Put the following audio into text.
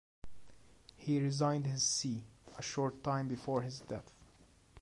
He resigned his see a short time before his death.